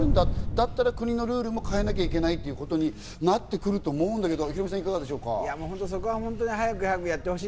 だったら国のルールも変えなきゃいけないということになってくると思うけど。